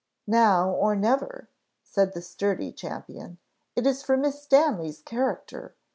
"Now or never," said the sturdy champion; "it is for Miss Stanley's character.